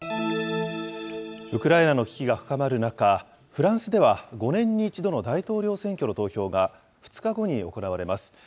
ウクライナの危機が深まる中、フランスでは、５年に１度の大統領選挙の投票が、２日後に行われます。